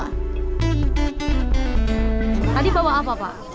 tadi bawa apa pak